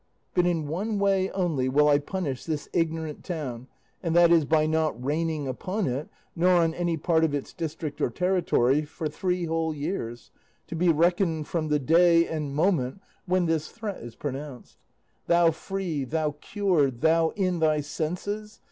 But in one way only will I punish this ignorant town, and that is by not raining upon it, nor on any part of its district or territory, for three whole years, to be reckoned from the day and moment when this threat is pronounced. Thou free, thou cured, thou in thy senses!